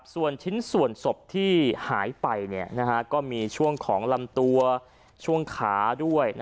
ส่วนชิ้นส่วนศพที่หายไปก็มีช่วงของลำตัวช่วงขาด้วย